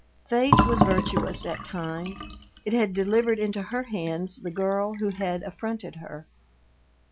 Fate was virtuous at times; it had delivered into her hands the girl who had affronted her.